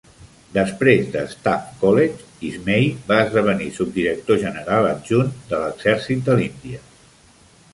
Després de Staff College, Ismay va esdevenir subdirector general adjunt de l'Exèrcit de l'Índia.